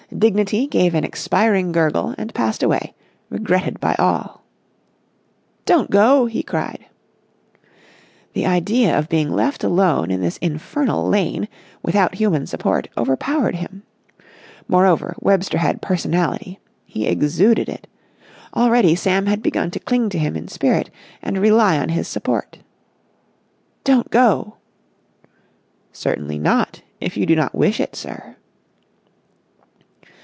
Dignity gave an expiring gurgle, and passed away, regretted by all. "Don't go!" he cried. The idea of being left alone in this infernal lane, without human support, overpowered him. Moreover, Webster had personality. He exuded it. Already Sam had begun to cling to him in spirit, and rely on his support. "Don't go!" "Certainly not, if you do not wish it, sir."